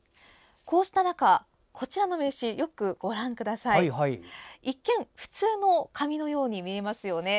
こうした中、こちらの名刺一見、普通の紙のように見えますよね。